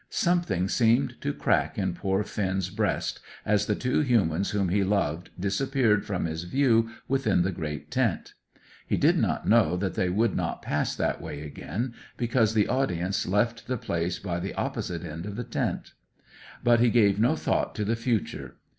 Something seemed to crack in poor Finn's breast, as the two humans whom he loved disappeared from his view within the great tent. He did not know that they would not pass that way again, because the audience left the place by the opposite end of the tent. But he gave no thought to the future.